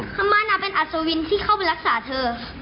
ทำไมเป็นอัศวินที่เข้าไปรักษาเธอ